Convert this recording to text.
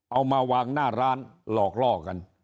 เอามาวางหน้าร้านหลอกล่อกัน